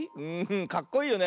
かっこいいよね。